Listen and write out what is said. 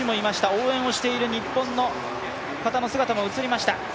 応援している日本の方の姿も映りました。